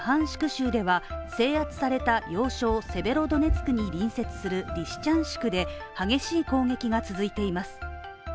州では制圧された要衝・セベロドネツクに隣接するリシチャンシクで激しい攻撃が続いています。